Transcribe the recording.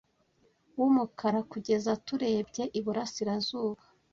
wumukara kugeza turebye iburasirazuba